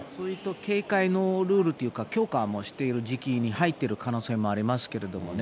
警戒のルールというか、強化もしている時期に入っている可能性もありますけれどもね。